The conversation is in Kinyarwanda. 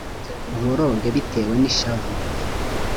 uboroge bitewe n’ishavu